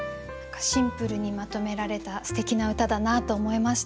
シンプルにまとめられたすてきな歌だなと思いました。